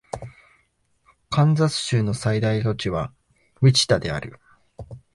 カンザス州の最大都市はウィチタである